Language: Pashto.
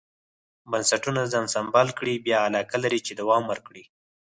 بنسټونه ځان سمبال کړي بیا علاقه لري چې دوام ورکړي.